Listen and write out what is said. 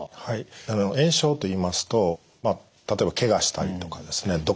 はい炎症といいますと例えばけがしたりとかですね